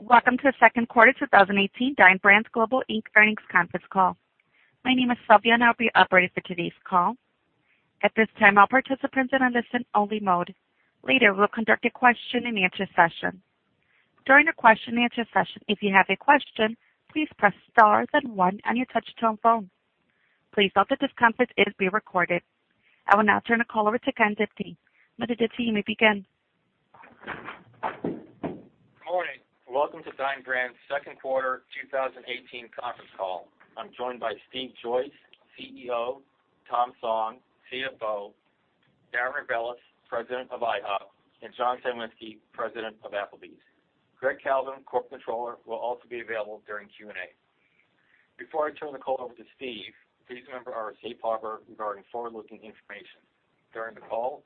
Welcome to the second quarter 2018 Dine Brands Global Inc. earnings conference call. My name is Sylvia, and I'll be operating for today's call. At this time, all participants are in listen only mode. Later, we'll conduct a question and answer session. During the question and answer session, if you have a question, please press star then one on your touch-tone phone. Please note that this conference is being recorded. I will now turn the call over to Ken Diptee. Mr. Diptee, you may begin. Good morning. Welcome to Dine Brands' second quarter 2018 conference call. I'm joined by Steve Joyce, CEO, Thomas Song, CFO, Darren Rebelez, President of IHOP, and John Cywinski, President of Applebee's. Greggory Kalvin, Corp Controller, will also be available during Q&A. Before I turn the call over to Steve, please remember our safe harbor regarding forward-looking information. During the call,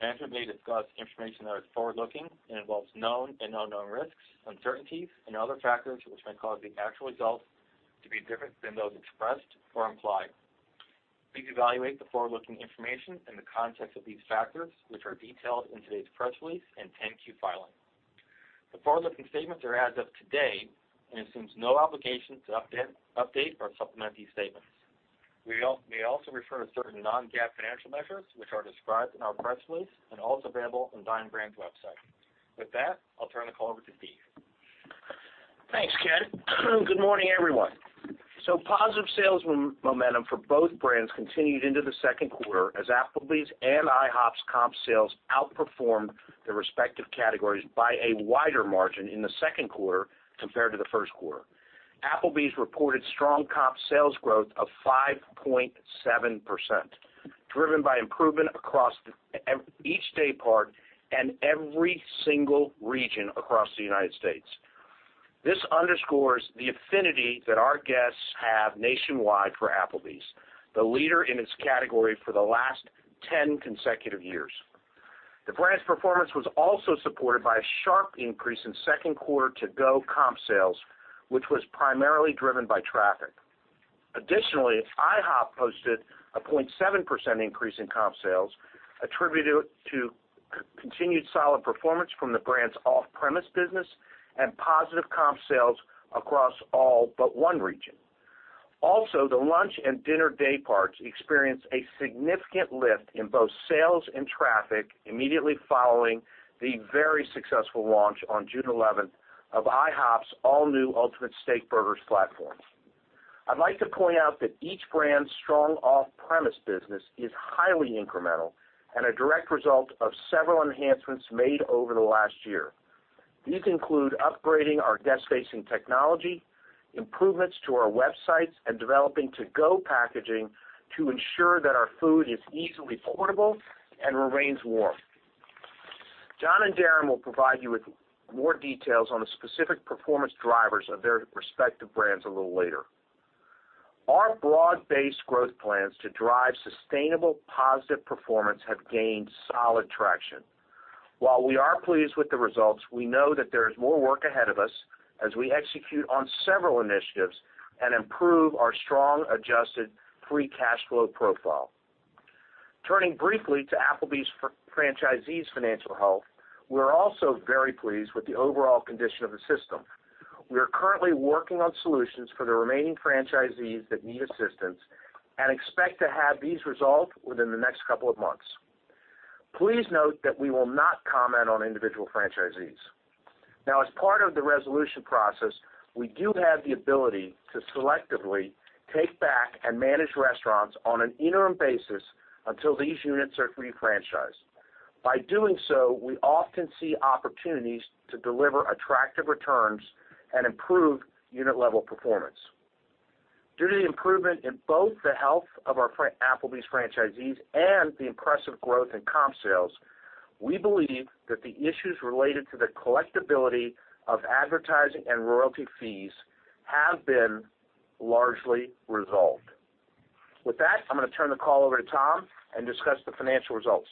management may discuss information that is forward-looking and involves known and unknown risks, uncertainties and other factors which may cause the actual results to be different than those expressed or implied. Please evaluate the forward-looking information in the context of these factors, which are detailed in today's press release and 10Q filing. The forward-looking statements are as of today and assumes no obligation to update or supplement these statements. We may also refer to certain non-GAAP financial measures, which are described in our press release and also available on Dine Brands website. With that, I'll turn the call over to Steve. Positive sales momentum for both brands continued into the second quarter as Applebee's and IHOP's comp sales outperformed their respective categories by a wider margin in the second quarter compared to the first quarter. Applebee's reported strong comp sales growth of 5.7%, driven by improvement across each day part and every single region across the U.S. This underscores the affinity that our guests have nationwide for Applebee's, the leader in its category for the last 10 consecutive years. The brand's performance was also supported by a sharp increase in second quarter to-go comp sales, which was primarily driven by traffic. Additionally, IHOP posted a 0.7% increase in comp sales attributed to continued solid performance from the brand's off-premise business and positive comp sales across all but one region. The lunch and dinner day parts experienced a significant lift in both sales and traffic immediately following the very successful launch on June 11 of IHOP's all-new Ultimate Steakburgers platform. I'd like to point out that each brand's strong off-premise business is highly incremental and a direct result of several enhancements made over the last year. These include upgrading our guest-facing technology, improvements to our websites, and developing to-go packaging to ensure that our food is easily portable and remains warm. John and Darren will provide you with more details on the specific performance drivers of their respective brands a little later. Our broad-based growth plans to drive sustainable positive performance have gained solid traction. While we are pleased with the results, we know that there is more work ahead of us as we execute on several initiatives and improve our strong adjusted free cash flow profile. Turning briefly to Applebee's franchisees' financial health, we're also very pleased with the overall condition of the system. We are currently working on solutions for the remaining franchisees that need assistance and expect to have these resolved within the next couple of months. Please note that we will not comment on individual franchisees. As part of the resolution process, we do have the ability to selectively take back and manage restaurants on an interim basis until these units are re-franchised. By doing so, we often see opportunities to deliver attractive returns and improve unit-level performance. Due to the improvement in both the health of our Applebee's franchisees and the impressive growth in comp sales, we believe that the issues related to the collectibility of advertising and royalty fees have been largely resolved. With that, I'm going to turn the call over to Tom and discuss the financial results.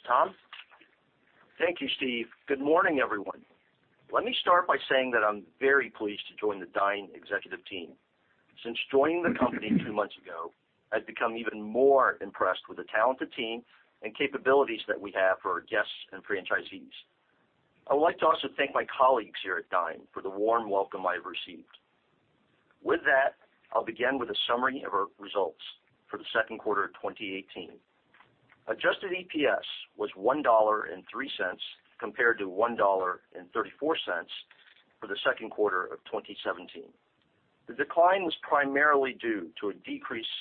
Tom? Thank you, Steve. Good morning, everyone. Let me start by saying that I'm very pleased to join the Dine executive team. Since joining the company two months ago, I've become even more impressed with the talented team and capabilities that we have for our guests and franchisees. I would like to also thank my colleagues here at Dine for the warm welcome I've received. With that, I'll begin with a summary of our results for the second quarter of 2018. Adjusted EPS was $1.03 compared to $1.34 for the second quarter of 2017. The decline was primarily due to a decrease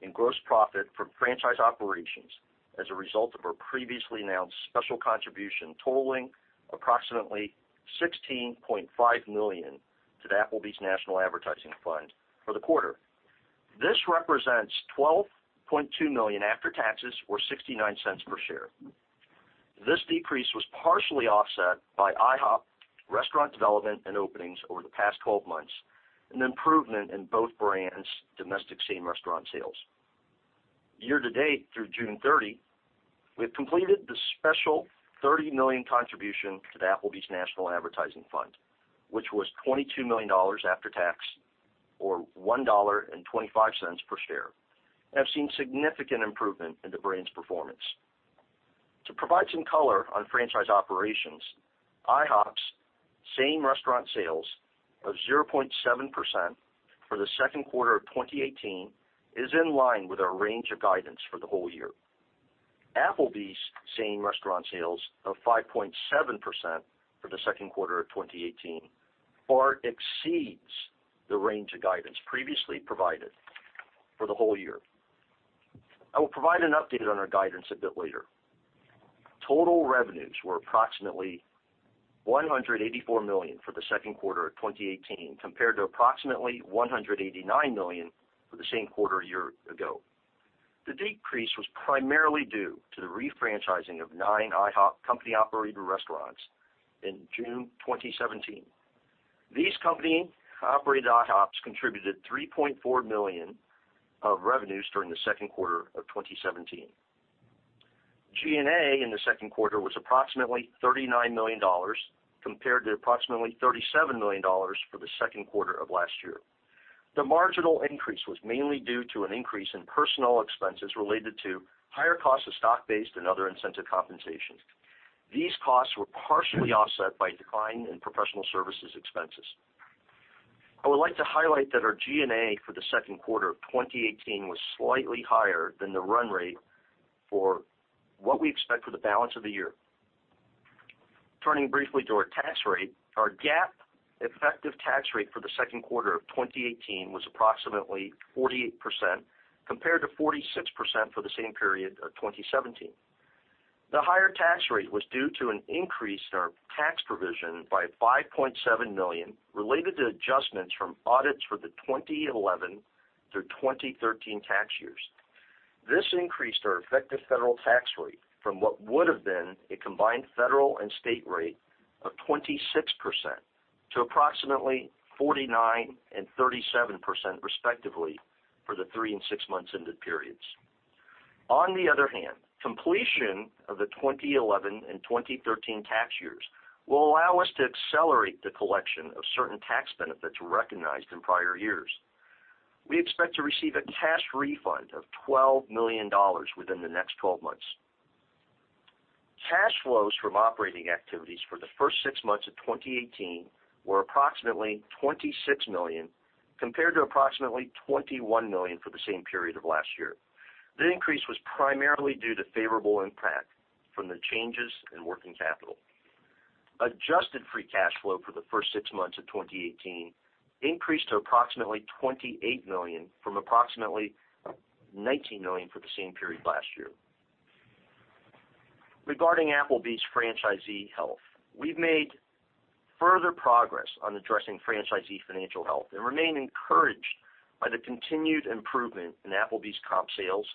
in gross profit from franchise operations as a result of our previously announced special contribution totaling approximately $16.5 million to the Applebee's National Advertising Fund for the quarter. This represents $12.2 million after taxes or $0.69 per share. This decrease was partially offset by IHOP restaurant development and openings over the past 12 months, an improvement in both brands' domestic same-restaurant sales. Year to date through June 30, we have completed the special $30 million contribution to the Applebee's National Advertising Fund, which was $22 million after tax or $1.25 per share, and have seen significant improvement in the brand's performance. To provide some color on franchise operations, IHOP's same restaurant sales of 0.7% for the second quarter of 2018 is in line with our range of guidance for the whole year. Applebee's same restaurant sales of 5.7% for the second quarter of 2018 far exceeds the range of guidance previously provided for the whole year. I will provide an update on our guidance a bit later. Total revenues were approximately $184 million for the second quarter of 2018, compared to approximately $189 million for the same quarter a year ago. The decrease was primarily due to the refranchising of nine IHOP company-operated restaurants in June 2017. These company-operated IHOPs contributed $3.4 million of revenues during the second quarter of 2017. G&A in the second quarter was approximately $39 million, compared to approximately $37 million for the second quarter of last year. The marginal increase was mainly due to an increase in personnel expenses related to higher costs of stock-based and other incentive compensations. These costs were partially offset by decline in professional services expenses. I would like to highlight that our G&A for the second quarter of 2018 was slightly higher than the run rate for what we expect for the balance of the year. Turning briefly to our tax rate, our GAAP effective tax rate for the second quarter of 2018 was approximately 48%, compared to 46% for the same period of 2017. The higher tax rate was due to an increase in our tax provision by $5.7 million, related to adjustments from audits for the 2011 through 2013 tax years. This increased our effective federal tax rate from what would have been a combined federal and state rate of 26% to approximately 49% and 37%, respectively, for the three and six months ended periods. On the other hand, completion of the 2011 and 2013 tax years will allow us to accelerate the collection of certain tax benefits recognized in prior years. We expect to receive a cash refund of $12 million within the next 12 months. Cash flows from operating activities for the first six months of 2018 were approximately $26 million, compared to approximately $21 million for the same period of last year. The increase was primarily due to favorable impact from the changes in working capital. Adjusted free cash flow for the first six months of 2018 increased to approximately $28 million from approximately $19 million for the same period last year. Regarding Applebee's franchisee health, we've made further progress on addressing franchisee financial health and remain encouraged by the continued improvement in Applebee's comp sales,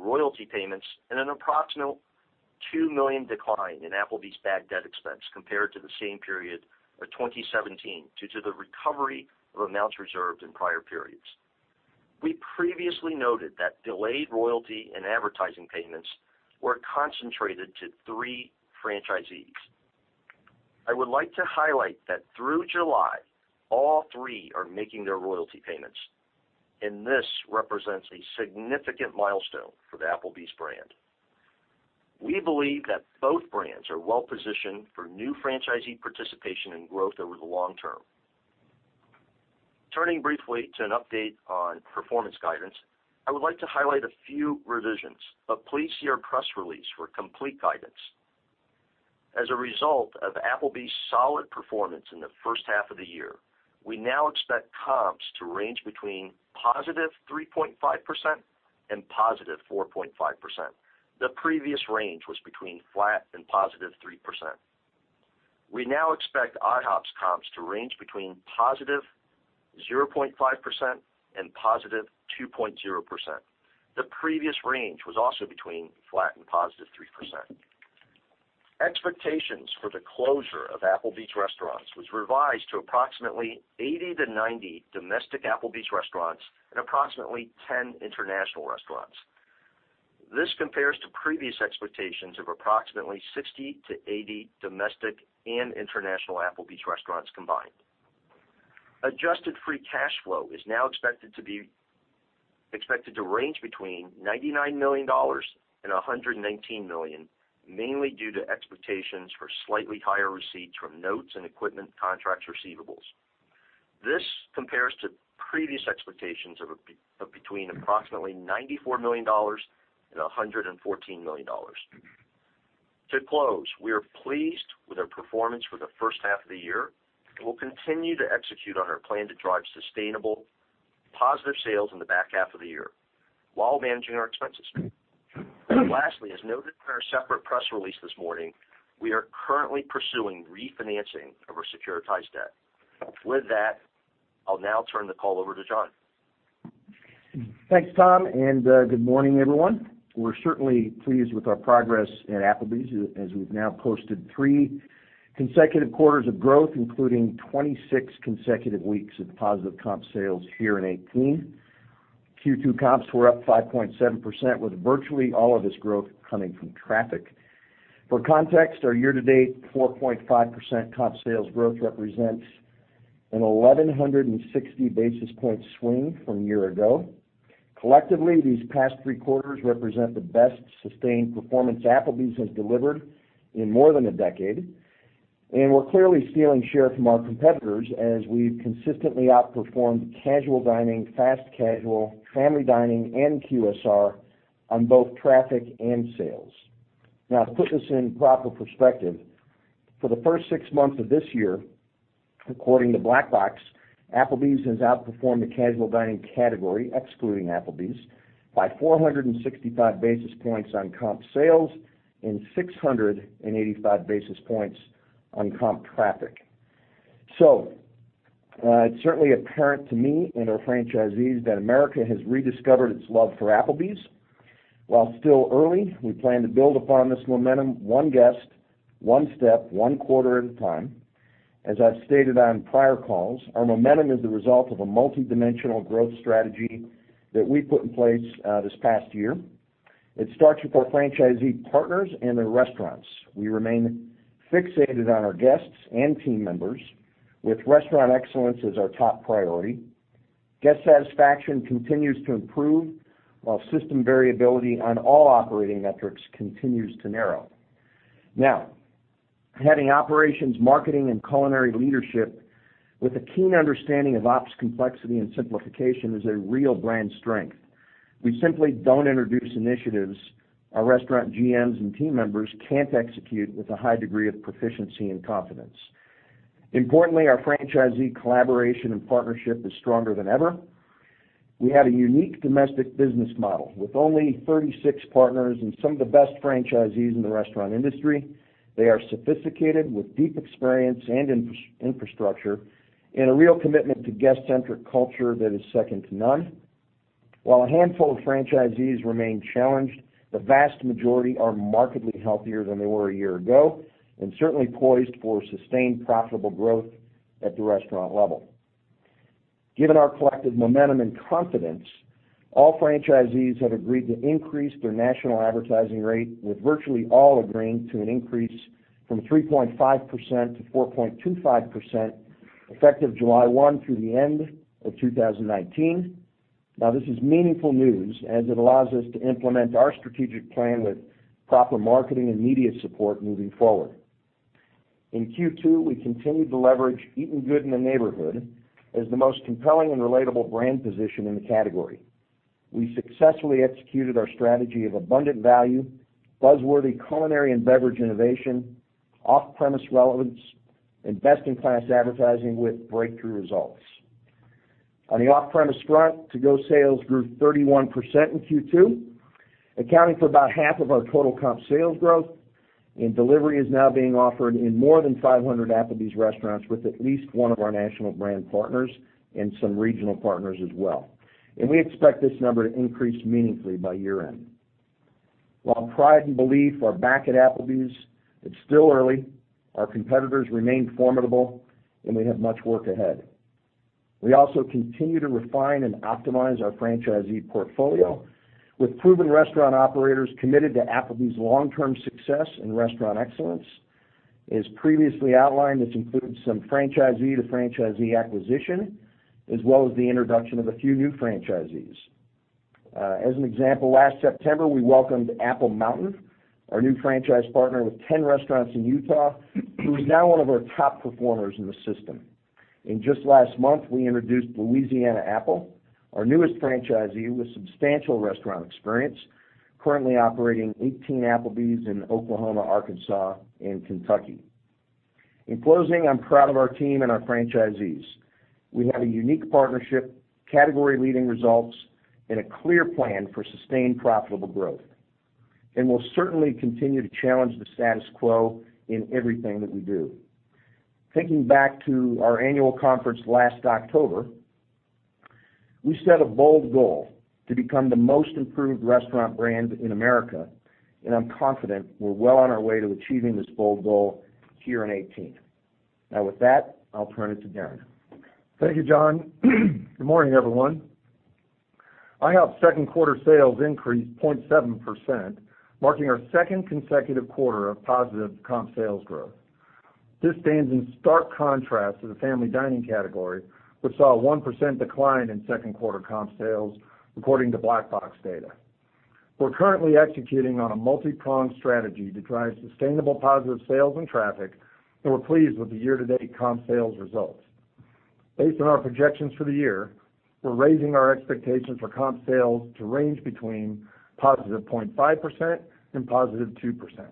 royalty payments, and an approximate $2 million decline in Applebee's bad debt expense compared to the same period of 2017 due to the recovery of amounts reserved in prior periods. We previously noted that delayed royalty and advertising payments were concentrated to three franchisees. I would like to highlight that through July, all three are making their royalty payments, and this represents a significant milestone for the Applebee's brand. We believe that both brands are well-positioned for new franchisee participation and growth over the long term. Turning briefly to an update on performance guidance, I would like to highlight a few revisions, but please see our press release for complete guidance. As a result of Applebee's solid performance in the first half of the year, we now expect comps to range between +3.5% and +4.5%. The previous range was between flat and +3%. We now expect IHOP's comps to range between +0.5% and +2.0%. The previous range was also between flat and +3%. Expectations for the closure of Applebee's restaurants was revised to approximately 80-90 domestic Applebee's restaurants and approximately 10 international restaurants. This compares to previous expectations of approximately 60 to 80 domestic and international Applebee's restaurants combined. Adjusted free cash flow is now expected to range between $99 million and $119 million, mainly due to expectations for slightly higher receipts from notes and equipment contracts receivables. This compares to previous expectations of between approximately $94 million and $114 million. To close, we are pleased with our performance for the first half of the year and will continue to execute on our plan to drive sustainable positive sales in the back half of the year while managing our expenses. Lastly, as noted in our separate press release this morning, we are currently pursuing refinancing of our securitized debt. With that, I'll now turn the call over to John. Thanks, Tom, good morning, everyone. We're certainly pleased with our progress at Applebee's as we've now posted three consecutive quarters of growth, including 26 consecutive weeks of positive comp sales here in 2018. Q2 comps were up 5.7%, with virtually all of this growth coming from traffic. For context, our year-to-date 4.5% comp sales growth represents a 1,160 basis point swing from a year ago. Collectively, these past three quarters represent the best sustained performance Applebee's has delivered in more than a decade, and we're clearly stealing share from our competitors as we've consistently outperformed casual dining, fast casual, family dining, and QSR on both traffic and sales. To put this in proper perspective, for the first six months of this year, according to Black Box, Applebee's has outperformed the casual dining category, excluding Applebee's, by 465 basis points on comp sales and 685 basis points on comp traffic. It's certainly apparent to me and our franchisees that America has rediscovered its love for Applebee's. While still early, we plan to build upon this momentum one guest, one step, one quarter at a time. As I've stated on prior calls, our momentum is the result of a multidimensional growth strategy that we put in place this past year. It starts with our franchisee partners and their restaurants. We remain fixated on our guests and team members with restaurant excellence as our top priority. Guest satisfaction continues to improve while system variability on all operating metrics continues to narrow. Having operations, marketing, and culinary leadership with a keen understanding of ops complexity and simplification is a real brand strength. We simply don't introduce initiatives our restaurant GMs and team members can't execute with a high degree of proficiency and confidence. Importantly, our franchisee collaboration and partnership is stronger than ever. We have a unique domestic business model with only 36 partners and some of the best franchisees in the restaurant industry. They are sophisticated with deep experience and infrastructure and a real commitment to guest-centric culture that is second to none. While a handful of franchisees remain challenged, the vast majority are markedly healthier than they were a year ago and certainly poised for sustained profitable growth at the restaurant level. Given our collective momentum and confidence, all franchisees have agreed to increase their national advertising rate, with virtually all agreeing to an increase from 3.5%-4.25% effective July 1 through the end of 2019. This is meaningful news as it allows us to implement our strategic plan with proper marketing and media support moving forward. In Q2, we continued to leverage Eatin' Good in the Neighborhood as the most compelling and relatable brand position in the category. We successfully executed our strategy of abundant value, buzzworthy culinary and beverage innovation, off-premise relevance, and best-in-class advertising with breakthrough results. On the off-premise front, to-go sales grew 31% in Q2, accounting for about half of our total comp sales growth, and delivery is now being offered in more than 500 Applebee's restaurants with at least one of our national brand partners and some regional partners as well. We expect this number to increase meaningfully by year-end. While pride and belief are back at Applebee's, it's still early. Our competitors remain formidable, and we have much work ahead. We also continue to refine and optimize our franchisee portfolio with proven restaurant operators committed to Applebee's long-term success and restaurant excellence. As previously outlined, this includes some franchisee-to-franchisee acquisition, as well as the introduction of a few new franchisees. As an example, last September, we welcomed Apple Mountain, our new franchise partner with 10 restaurants in Utah, who is now one of our top performers in the system. Just last month, we introduced Louisiana Apple, our newest franchisee with substantial restaurant experience, currently operating 18 Applebee's in Oklahoma, Arkansas, and Kentucky. In closing, I'm proud of our team and our franchisees. We have a unique partnership, category-leading results, and a clear plan for sustained profitable growth, and we'll certainly continue to challenge the status quo in everything that we do. Thinking back to our annual conference last October, we set a bold goal to become the most improved restaurant brand in America, and I'm confident we're well on our way to achieving this bold goal here in 2018. With that, I'll turn it to Darren. Thank you, John. Good morning, everyone. IHOP second quarter sales increased 0.7%, marking our second consecutive quarter of positive comp sales growth. This stands in stark contrast to the family dining category, which saw a 1% decline in second quarter comp sales according to Black Box data. We're currently executing on a multipronged strategy to drive sustainable positive sales and traffic, and we're pleased with the year-to-date comp sales results. Based on our projections for the year, we're raising our expectations for comp sales to range between positive 0.5% and positive 2%.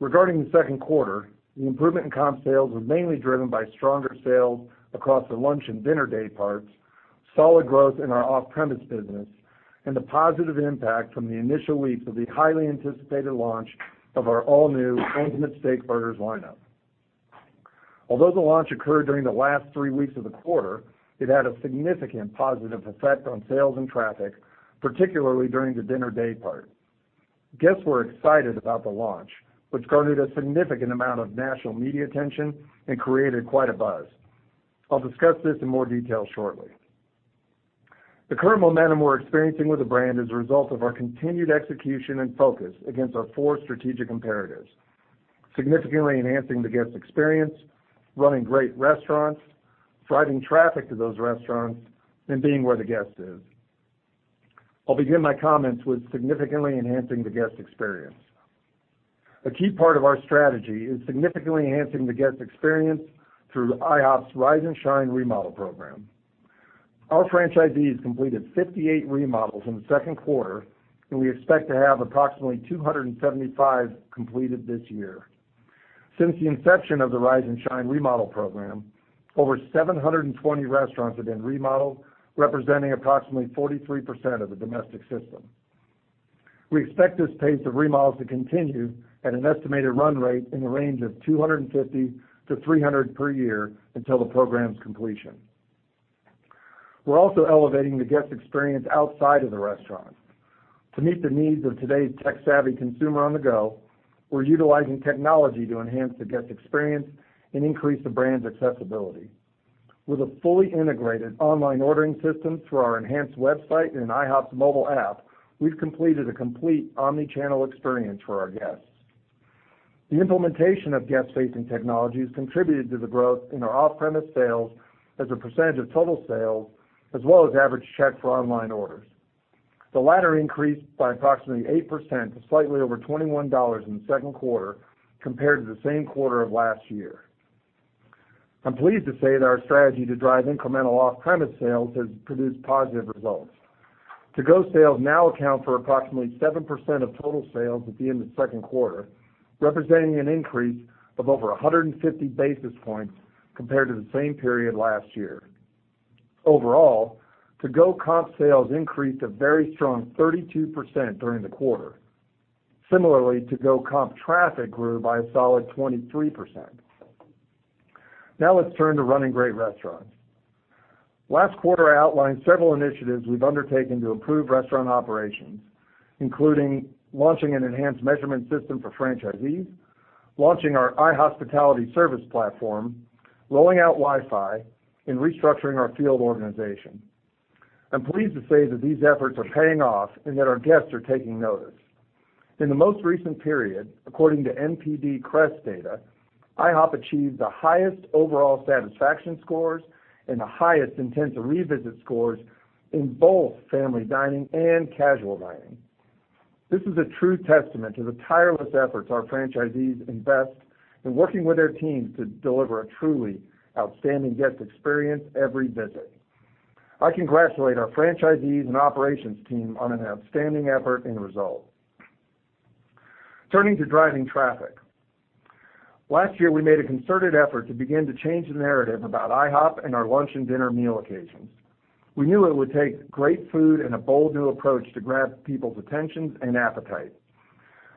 Regarding the second quarter, the improvement in comp sales was mainly driven by stronger sales across the lunch and dinner day parts, solid growth in our off-premise business, and the positive impact from the initial weeks of the highly anticipated launch of our all-new Ultimate Steakburgers lineup. Although the launch occurred during the last three weeks of the quarter, it had a significant positive effect on sales and traffic, particularly during the dinner day part. Guests were excited about the launch, which garnered a significant amount of national media attention and created quite a buzz. I'll discuss this in more detail shortly. The current momentum we're experiencing with the brand is a result of our continued execution and focus against our four strategic imperatives, significantly enhancing the guest experience, running great restaurants, driving traffic to those restaurants, and being where the guest is. I'll begin my comments with significantly enhancing the guest experience. A key part of our strategy is significantly enhancing the guest experience through IHOP's Rise 'N Shine remodel program. Our franchisees completed 58 remodels in the second quarter, and we expect to have approximately 275 completed this year. Since the inception of the Rise 'N Shine remodel program, over 720 restaurants have been remodeled, representing approximately 43% of the domestic system. We expect this pace of remodels to continue at an estimated run rate in the range of 250 to 300 per year until the program's completion. We're also elevating the guest experience outside of the restaurant. To meet the needs of today's tech-savvy consumer on the go, we're utilizing technology to enhance the guest experience and increase the brand's accessibility. With a fully integrated online ordering system through our enhanced website and IHOP's mobile app, we've completed a complete omni-channel experience for our guests. The implementation of guest-facing technologies contributed to the growth in our off-premise sales as a percentage of total sales, as well as average check for online orders. The latter increased by approximately 8% to slightly over $21 in the second quarter compared to the same quarter of last year. I'm pleased to say that our strategy to drive incremental off-premise sales has produced positive results. To-go sales now account for approximately 7% of total sales at the end of the second quarter, representing an increase of over 150 basis points compared to the same period last year. Overall, to-go comp sales increased a very strong 32% during the quarter. Similarly, to-go comp traffic grew by a solid 23%. Now let's turn to running great restaurants. Last quarter, I outlined several initiatives we've undertaken to improve restaurant operations, including launching an enhanced measurement system for franchisees, launching our iHospitality service platform, rolling out Wi-Fi, and restructuring our field organization. I'm pleased to say that these efforts are paying off and that our guests are taking notice. In the most recent period, according to NPD CREST data, IHOP achieved the highest overall satisfaction scores and the highest intent to revisit scores in both family dining and casual dining. This is a true testament to the tireless efforts our franchisees invest in working with their teams to deliver a truly outstanding guest experience every visit. I congratulate our franchisees and operations team on an outstanding effort and result. Turning to driving traffic. Last year, we made a concerted effort to begin to change the narrative about IHOP and our lunch and dinner meal occasions. We knew it would take great food and a bold new approach to grab people's attentions and appetite.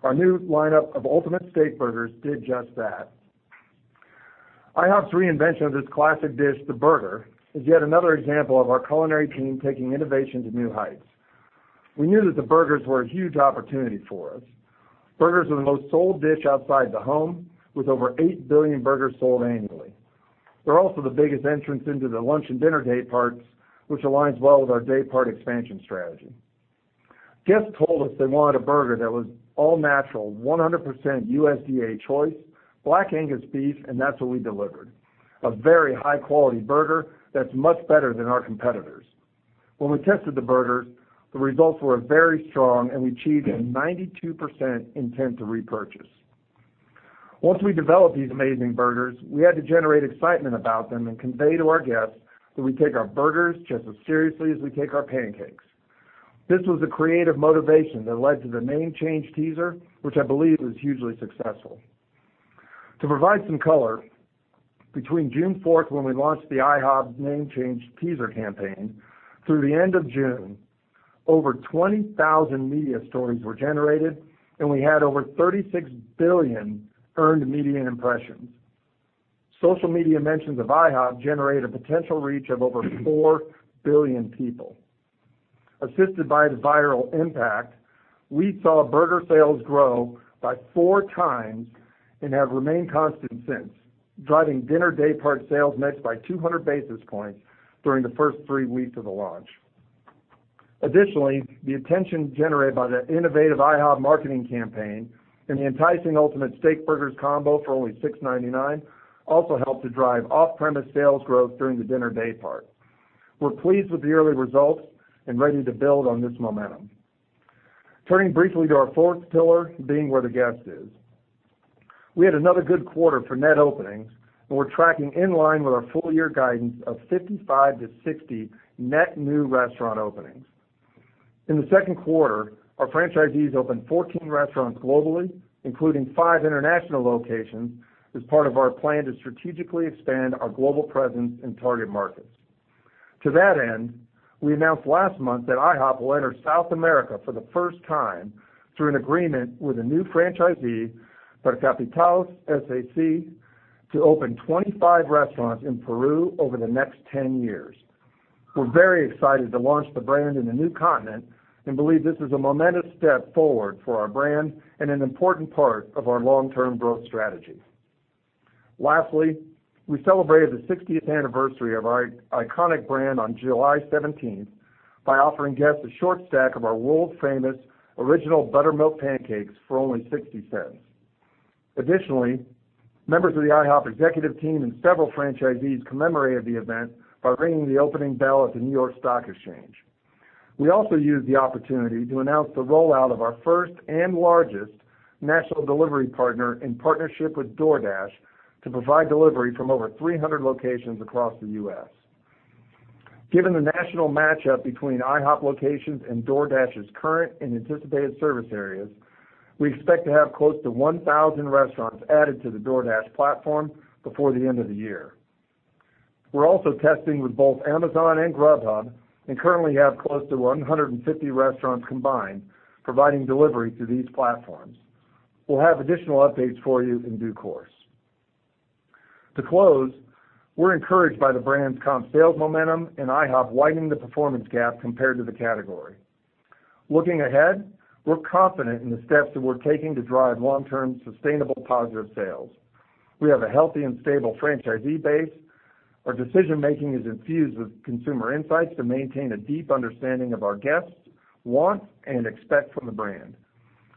Our new lineup of Ultimate Steakburgers did just that. IHOP's reinvention of this classic dish, the burger, is yet another example of our culinary team taking innovation to new heights. We knew that the burgers were a huge opportunity for us. Burgers are the most sold dish outside the home, with over 8 billion burgers sold annually. They're also the biggest entrance into the lunch and dinner day parts, which aligns well with our day part expansion strategy. Guests told us they wanted a burger that was all-natural, 100% USDA choice, Black Angus beef, and that's what we delivered, a very high-quality burger that's much better than our competitors. When we tested the burgers, the results were very strong, and we achieved a 92% intent to repurchase. Once we developed these amazing burgers, we had to generate excitement about them and convey to our guests that we take our burgers just as seriously as we take our pancakes. This was a creative motivation that led to the name change teaser, which I believe was hugely successful. To provide some color, between June 4th, when we launched the IHOb name change teaser campaign, through the end of June, over 20,000 media stories were generated, and we had over 36 billion earned media impressions. Social media mentions of IHOb generated a potential reach of over 4 billion people. Assisted by the viral impact, we saw burger sales grow by 4 times and have remained constant since, driving dinner day part sales mixed by 200 basis points during the first three weeks of the launch. Additionally, the attention generated by the innovative IHOb marketing campaign and the enticing Ultimate Steakburgers combo for only $6.99 also helped to drive off-premise sales growth during the dinner day part. We're pleased with the early results and ready to build on this momentum. Turning briefly to our fourth pillar, being where the guest is. We had another good quarter for net openings. We're tracking in line with our full-year guidance of 55-60 net new restaurant openings. In the second quarter, our franchisees opened 14 restaurants globally, including five international locations, as part of our plan to strategically expand our global presence in target markets. To that end, we announced last month that IHOP will enter South America for the first time through an agreement with a new franchisee, Capitales S.A.C., to open 25 restaurants in Peru over the next 10 years. We're very excited to launch the brand in a new continent and believe this is a momentous step forward for our brand and an important part of our long-term growth strategy. Lastly, we celebrated the 60th anniversary of our iconic brand on July 17th by offering guests a short stack of our world-famous original buttermilk pancakes for only $0.60. Members of the IHOP executive team and several franchisees commemorated the event by ringing the opening bell at the New York Stock Exchange. We also used the opportunity to announce the rollout of our first and largest national delivery partner in partnership with DoorDash to provide delivery from over 300 locations across the U.S. Given the national match-up between IHOP locations and DoorDash's current and anticipated service areas, we expect to have close to 1,000 restaurants added to the DoorDash platform before the end of the year. We're also testing with both Amazon and Grubhub and currently have close to 150 restaurants combined, providing delivery through these platforms. We'll have additional updates for you in due course. We're encouraged by the brand's comp sales momentum and IHOP widening the performance gap compared to the category. Looking ahead, we're confident in the steps that we're taking to drive long-term sustainable positive sales. We have a healthy and stable franchisee base. Our decision-making is infused with consumer insights to maintain a deep understanding of our guests' wants and expect from the brand.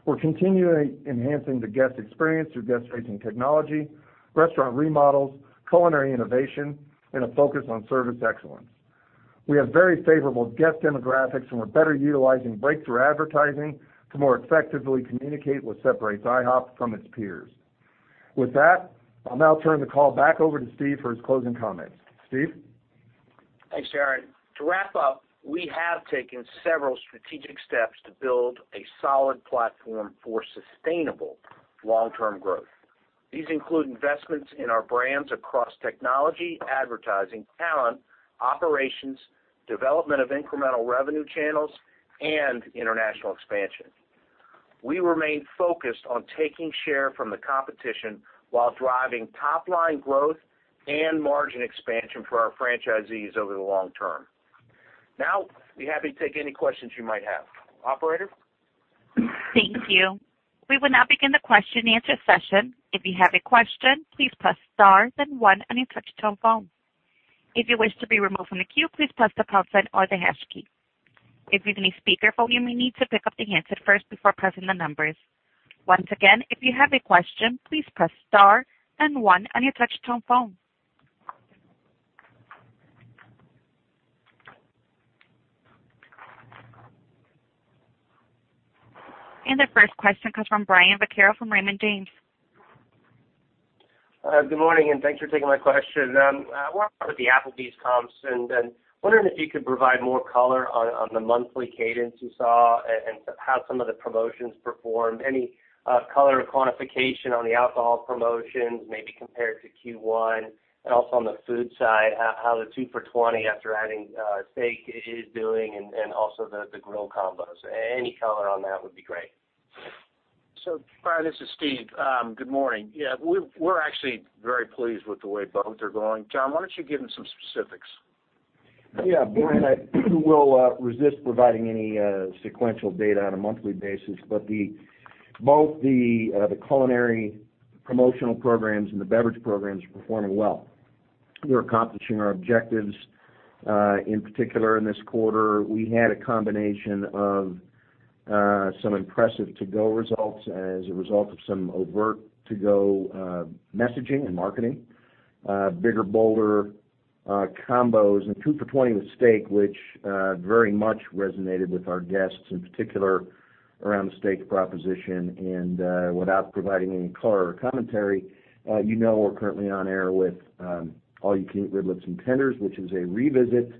We're continually enhancing the guest experience through guest-facing technology, restaurant remodels, culinary innovation, and a focus on service excellence. We have very favorable guest demographics, and we're better utilizing breakthrough advertising to more effectively communicate what separates IHOP from its peers. With that, I'll now turn the call back over to Steve for his closing comments. Steve? Thanks, Darren. To wrap up, we have taken several strategic steps to build a solid platform for sustainable long-term growth. These include investments in our brands across technology, advertising, talent, operations, development of incremental revenue channels, and international expansion. We remain focused on taking share from the competition while driving top-line growth and margin expansion for our franchisees over the long term. We're happy to take any questions you might have. Operator? Thank you. We will now begin the question and answer session. If you have a question, please press star then one on your touch-tone phone. If you wish to be removed from the queue, please press the pound sign or the hash key. If using a speakerphone, you may need to pick up the handset first before pressing the numbers. Once again, if you have a question, please press star and one on your touch-tone phone. The first question comes from Brian Vaccaro from Raymond James. Good morning, thanks for taking my question. With the Applebee's comps and wondering if you could provide more color on the monthly cadence you saw and how some of the promotions performed. Any color or quantification on the alcohol promotions, maybe compared to Q1, and also on the food side, how the two for 20 after adding steak is doing and also the grill combos. Any color on that would be great. Brian, this is Steve. Good morning. Yeah, we're actually very pleased with the way both are going. Tom, why don't you give him some specifics? Yeah, Brian, we'll resist providing any sequential data on a monthly basis, both the culinary promotional programs and the beverage programs are performing well. We're accomplishing our objectives. In particular, in this quarter, we had a combination of some impressive to-go results as a result of some overt to-go messaging and marketing, bigger, bolder combos, and two for $20 with steak, which very much resonated with our guests, in particular, around the steak proposition. Without providing any color or commentary, you know we're currently on air with all-you-can-eat riblets and tenders, which is a revisit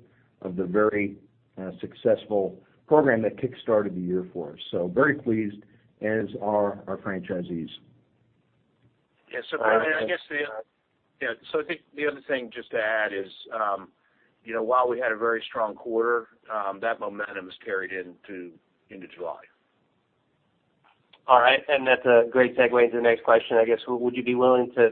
of the very successful program that kickstarted the year for us. Very pleased, as are our franchisees. Yeah. I think the other thing just to add is, while we had a very strong quarter, that momentum has carried into July. All right. That's a great segue into the next question, I guess. Would you be willing to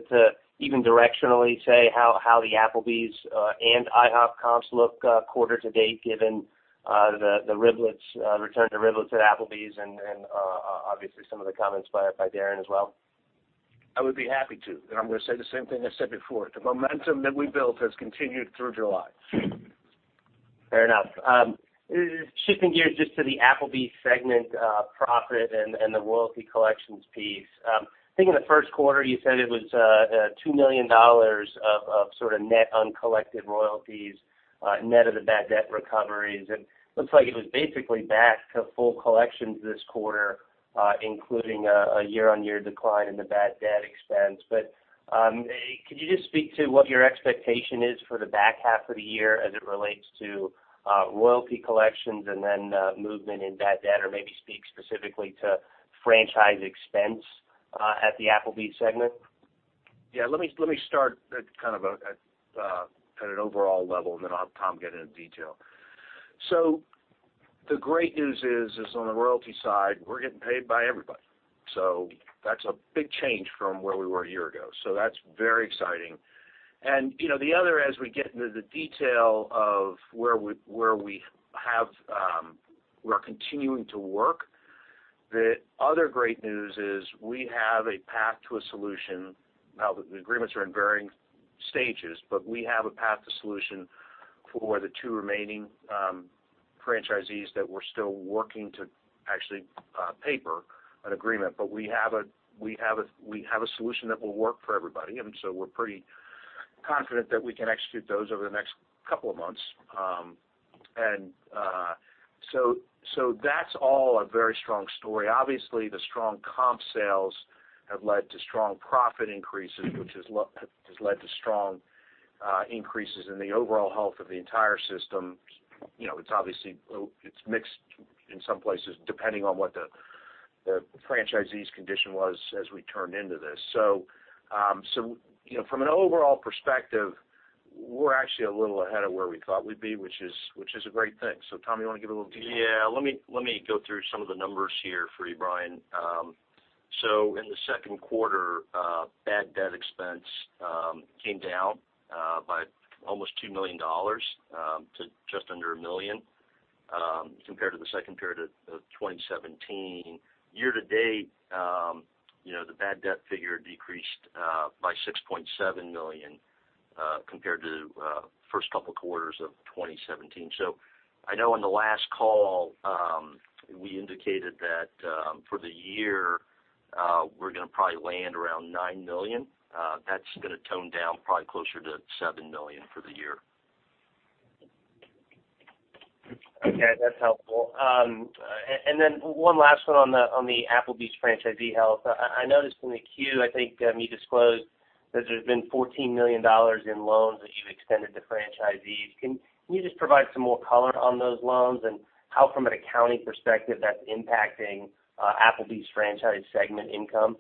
even directionally say how the Applebee's and IHOP comps look quarter to date, given the return to riblets at Applebee's and obviously some of the comments by Darren as well? I would be happy to. I'm going to say the same thing I said before. The momentum that we built has continued through July. Fair enough. Shifting gears just to the Applebee's segment profit and the royalty collections piece. I think in the first quarter, you said it was $2 million of sort of net uncollected royalties net of the bad debt recoveries. Looks like it was basically back to full collections this quarter, including a year-on-year decline in the bad debt expense. Could you just speak to what your expectation is for the back-half of the year as it relates to royalty collections and then movement in bad debt, or maybe speak specifically to franchise expense at the Applebee's segment? Yeah, let me start at kind of an overall level. Then I'll have Tom get into detail. The great news is on the royalty side, we're getting paid by everybody. That's a big change from where we were a year ago. That's very exciting. The other, as we get into the detail of where we are continuing to work, the other great news is we have a path to a solution. Now, the agreements are in varying stages. We have a path to solution for the two remaining franchisees that we're still working to actually paper an agreement. We have a solution that will work for everybody, and we're pretty confident that we can execute those over the next couple of months. That's all a very strong story. Obviously, the strong comp sales have led to strong profit increases, which has led to strong increases in the overall health of the entire system. It's mixed in some places, depending on what the franchisee's condition was as we turned into this. From an overall perspective, we're actually a little ahead of where we thought we'd be, which is a great thing. Tom, you want to give a little detail? Yeah. Let me go through some of the numbers here for you, Brian. In the second quarter, bad debt expense came down by almost $2 million to just under $1 million, compared to the second quarter of 2017. Year to date, the bad debt figure decreased by $6.7 million, compared to the first couple quarters of 2017. I know on the last call, we indicated that for the year, we're going to probably land around $9 million. That's going to tone down probably closer to $7 million for the year. Okay. That's helpful. One last one on the Applebee's franchisee health. I noticed in the Q, I think you disclosed that there's been $14 million in loans that you've extended to franchisees. Can you just provide some more color on those loans and how from an accounting perspective that's impacting Applebee's franchise segment income?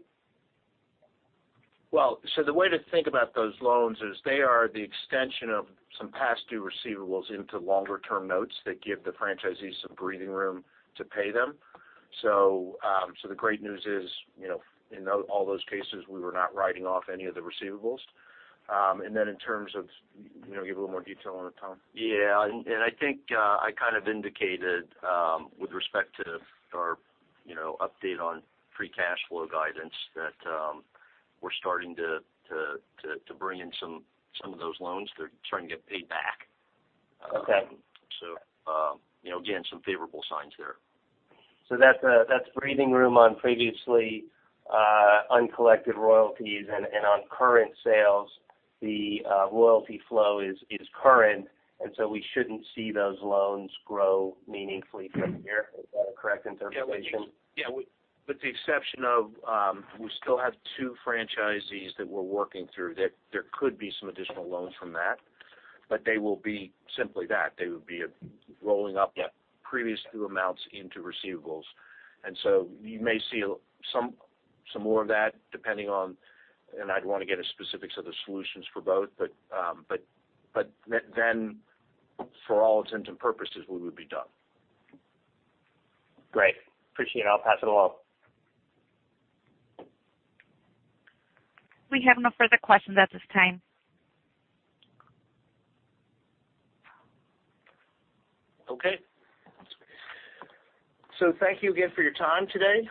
The way to think about those loans is they are the extension of some past due receivables into longer term notes that give the franchisees some breathing room to pay them. The great news is, in all those cases, we were not writing off any of the receivables. In terms of, you want to give a little more detail on it, Tom? Yeah. I think I kind of indicated, with respect to our update on free cash flow guidance, that we're starting to bring in some of those loans. They're starting to get paid back. Okay. Again, some favorable signs there. That's breathing room on previously uncollected royalties and on current sales, the royalty flow is current. We shouldn't see those loans grow meaningfully from here. Is that a correct interpretation? Yeah. With the exception of, we still have two franchisees that we're working through that there could be some additional loans from that. They will be simply that. They would be rolling up the previous due amounts into receivables. You may see some more of that depending on, and I'd want to get into specifics of the solutions for both, for all intents and purposes, we would be done. Great. Appreciate it. I'll pass it along. We have no further questions at this time. Okay. Thank you again for your time today.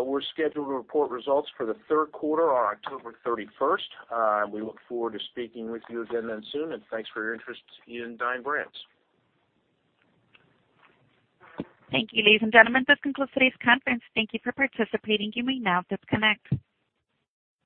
We're scheduled to report results for the third quarter on October 31st. We look forward to speaking with you again then soon, and thanks for your interest in Dine Brands. Thank you, ladies and gentlemen. This concludes today's conference. Thank you for participating. You may now disconnect.